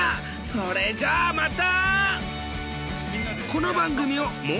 それじゃあまた！